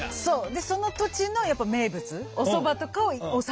でその土地のやっぱ名物おそばとかを押さえとく。